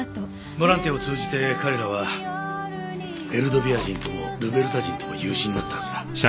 ボランティアを通じて彼らはエルドビア人ともルベルタ人とも友人になったはずだ。